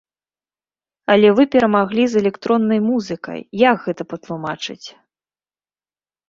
Але вы перамаглі з электроннай музыкай, як гэта патлумачыць?